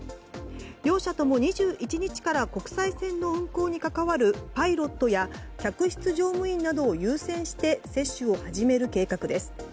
両社とも２１日から国際線の運航に関わるパイロットや客室乗務員などを優先して接種を始める計画です。